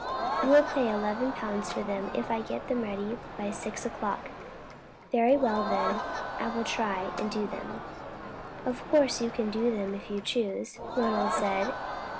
"You will pay eleven pounds for them if I get them ready by six o'clock. Very well, then, I will try and do them." "Of course you can do them, if you choose," Ronald said.